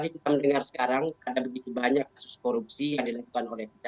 kita mendengar sekarang ada begitu banyak kasus korupsi yang dilakukan oleh kita